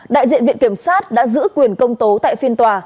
đại diện viện kiểm sát đã giữ quyền công tố tại phiên tòa